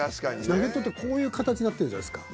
ナゲットってこういう形なってるじゃないですか。